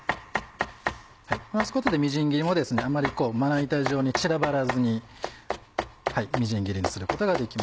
回すことでみじん切りもあんまりまな板上に散らばらずにみじん切りにすることができます。